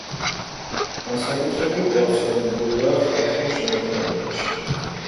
განსაკუთრებით გავრცელებულია ხალხურ შემოქმედებაში.